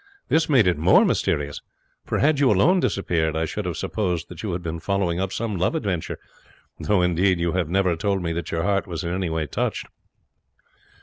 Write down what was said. This made it more mysterious; for had you alone disappeared I should have supposed that you had been following up some love adventure, though, indeed, you have never told me that your heart was in any way touched."